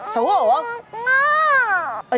xấu hổ không